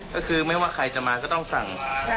ก็คือไม่ว่าใครจะมาก็ต้องสั่ง